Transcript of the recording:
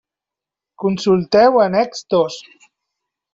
Consulteu Annex dos.